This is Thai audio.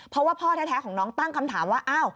เพราะว่าพ่อแท้ของน้องตั้งคำถามว่า